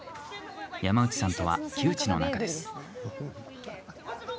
山内さんとは旧知の仲です。